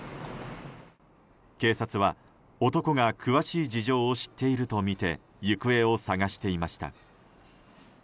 警察は男が詳しい事情を知っているとみて行方を捜していました。